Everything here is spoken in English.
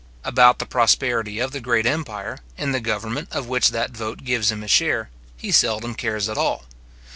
About the prosperity of the great empire, in the government of which that vote gives him a share, he seldom cares at all.